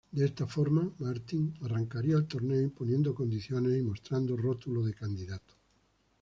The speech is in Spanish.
De esta forma, Martin arrancaría el torneo imponiendo condiciones y mostrando rótulo de candidato.